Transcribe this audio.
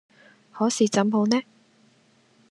可是怎好呢？